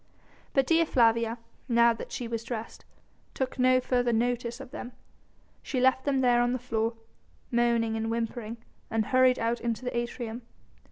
But Dea Flavia, now that she was dressed, took no further notice of them; she left them there on the floor, moaning and whimpering, and hurried out into the atrium.